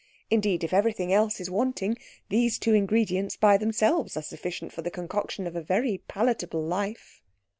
Indeed, if everything else is wanting, these two ingredients by themselves are sufficient for the concoction of a very palatable life.